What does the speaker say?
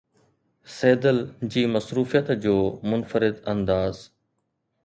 سيدل جي مصروفيت جو منفرد انداز